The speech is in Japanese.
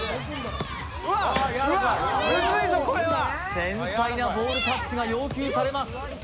繊細なボールタッチが要求されます。